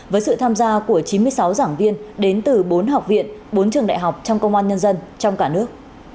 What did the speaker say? với sự tham gia của chín mươi sáu giảng viên đến từ bốn học viện bốn trường đại học trong công an nhân dân trong cả nước